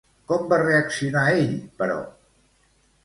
Com va reaccionar ell, però?